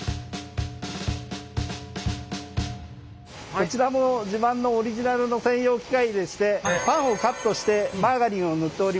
こちらも自慢のオリジナルの専用機械でしてパンをカットしてマーガリンを塗っております。